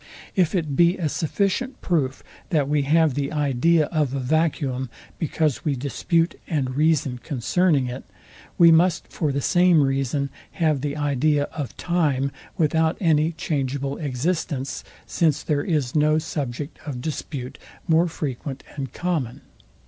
If it be a sufficient proof, that we have the idea of a vacuum, because we dispute and reason concerning it; we must for the same reason have the idea of time without any changeable existence; since there is no subject of dispute more frequent and common.